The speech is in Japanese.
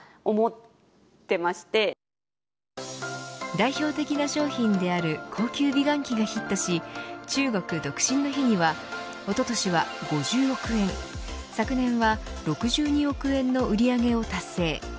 代表的な商品である高級美顔器がヒットし中国独身の日にはおととしは５０億円昨年は６２億円の売り上げを達成。